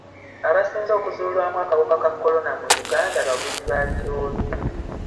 Abasinze okuzuulwamu akawuka ka kolona mu Uganda bavuzi ba biroore.